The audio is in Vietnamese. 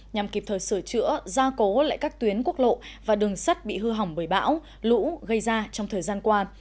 nhằm kịp thời sửa chữa gia cố lại các tuyến quốc lộ và đường sắt bị hư hỏng bởi bão lũ gây ra trong thời gian qua